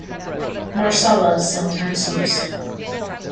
Marsala is sometimes used.